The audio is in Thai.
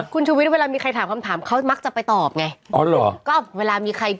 คุณชูวิทย์เวลามีใครถามคำถามเขามักจะไปตอบไง